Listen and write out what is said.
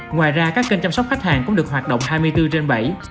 ngoài ra các kênh chăm sóc khách hàng cũng được hoạt động hai mươi bốn trên bảy